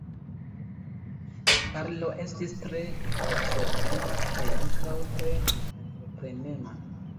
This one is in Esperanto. Karlo estis tre observema kaj ankaŭ tre entreprenema.